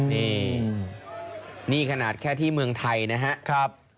นี่นี่ขนาดแค่ที่เมืองไทยนะฮะครับนี่นี่นี่นี่นี่